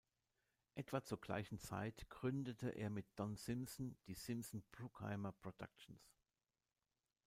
Etwa zur gleichen Zeit gründete er mit Don Simpson die „Simpson-Bruckheimer-Productions“.